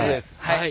はい。